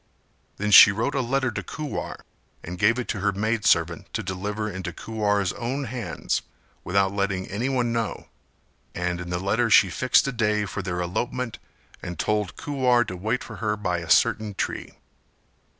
Then she wrote a letter to Kuwar and gave it to her maid servant to deliver into Kuwar's own hands, without letting anyone know: and in the letter she fixed a day for their elopement and told Kuwar to wait for her by a certain tree.